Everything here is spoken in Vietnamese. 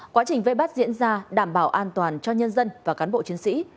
quá trình vây bắt diễn ra đảm bảo an toàn cho nhân dân và cán bộ chiến sĩ